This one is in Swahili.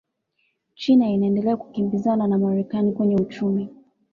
china inaendelea kukimbizana na marekani kwenye uchumi